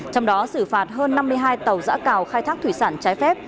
trong đó xử phạt hơn năm mươi hai tàu dã cào khai thác thị sản trái phép